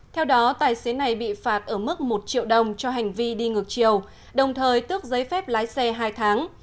theo đó tài xế này bị phạt ở mức một triệu đồng cho hành vi đi ngược chiều đồng thời tước giấy phép lái xe hai tháng